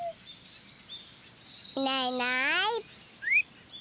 いないいない。